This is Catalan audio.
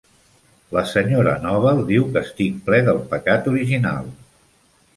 La senyora Noble diu que estic ple del pecat original.